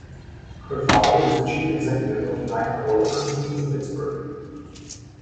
Her father was the chief executive of United Oil Company in Pittsburgh.